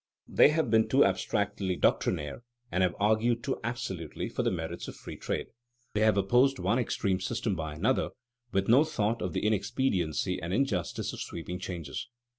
They have been too abstractly doctrinaire, and have argued too absolutely for the merits of free trade. They have opposed one extreme system by another, with no thought of the inexpediency and injustice of sweeping changes.